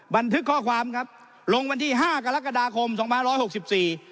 บันทึกข้อความครับลงวันที่ห้ากรกฎาคมสองพันร้อยหกสิบสี่